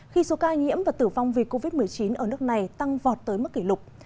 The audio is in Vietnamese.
khi số ca nhiễm và tử vong vì covid một mươi chín ở nước này tăng vọt tới mức kỷ lục